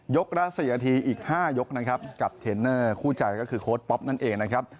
กระ๔นาทีอีก๕ยกนะครับกับเทรนเนอร์คู่ใจก็คือโค้ดป๊อปนั่นเองนะครับ